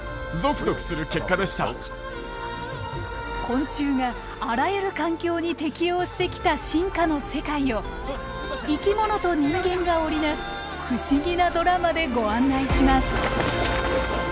昆虫があらゆる環境に適応してきた進化の世界を生き物と人間が織り成す不思議なドラマでご案内します！